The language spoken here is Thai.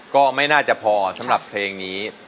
ก็ไม่น่าจะพอสำหรับเพลงนี้